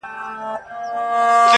ځنې کم اصل يار نه مار جوړېږي